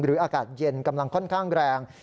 อากาศเย็นกำลังค่อนข้างแรง